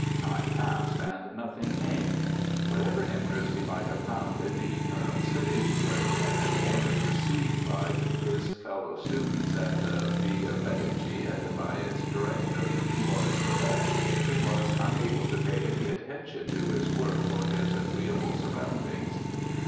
Time passed and nothing came. Whatever interest he might have found in the Eternal City, where he had been warmly received by his fellow students at the Villa Medici and by its director, Horace Vernet, he was unable to pay any attention to his work or his agreeable surroundings.